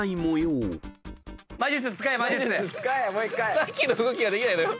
さっきの動きできない。